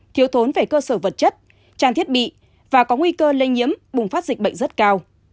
thiếu thốn về cơ sở vật chất trang thiết bị và có nguy cơ lây nhiễm bùng phát dịch bệnh rất cao